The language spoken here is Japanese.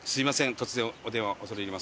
突然お電話恐れ入ります。